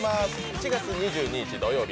７月２１日土曜日